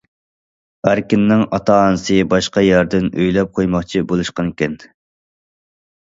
ئەركىننىڭ ئاتا- ئانىسى باشقا يەردىن ئۆيلەپ قويماقچى بولۇشقانىكەن.